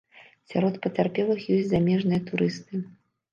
Сярод пацярпелых ёсць замежныя турысты.